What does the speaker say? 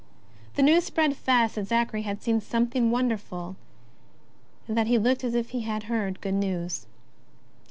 The news spread fast that Zachary had seen something wonderful, and that he looked as if he had heard good news.